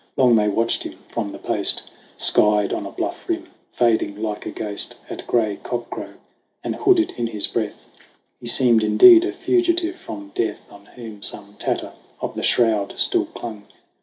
Long they watched him from the Post, Skied on a bluff rim, fading like a ghost At gray cock crow ; and hooded in his breath, He seemed indeed a fugitive from Death On whom some tatter of the shroud still clung.